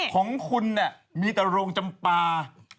ของคุณเนี่ยมีแต่โรงจำปลา